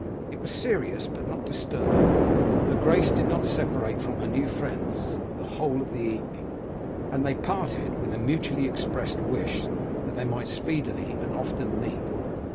It was serious, but not disturbed. Her Grace did not separate from her new friends the whole of the evening, and they parted with a mutually expressed wish that they might speedily and often meet.